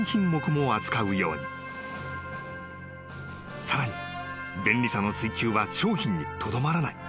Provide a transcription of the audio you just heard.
［さらに便利さの追求は商品にとどまらない］